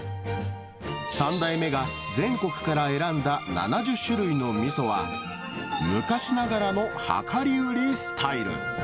３代目が全国から選んだ７０種類のみそは、昔ながらの量り売りスタイル。